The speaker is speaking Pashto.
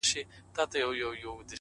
ته یې لور د شراب ـ زه مست زوی د بنګ یم ـ